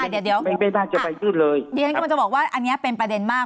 ไม่ได้จะไปยืนเลยเดี๋ยวฉันก็มันจะบอกว่าอันนี้เป็นประเด็นมาก